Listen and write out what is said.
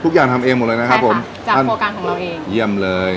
ทุกอย่างทำเองหมดเลยนะครับผมใช่ค่ะจากโปรแกรมของเราเองเยี่ยมเลย